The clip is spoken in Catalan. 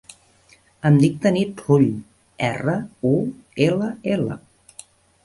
Em dic Tanit Rull: erra, u, ela, ela.